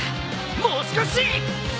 もう少し。